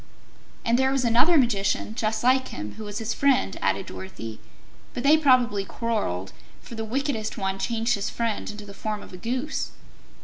"And there was another Magician, just like him, who was his friend," added Dorothy, "but they probably quarreled, for the wickedest one changed his friend into the form of a Goose."